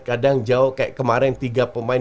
kadang jauh kayak kemarin tiga pemain